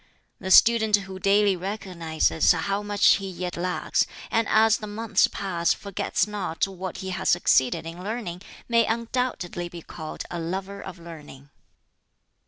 "The student who daily recognizes how much he yet lacks, and as the months pass forgets not what he has succeeded in learning, may undoubtedly be called a lover of learning.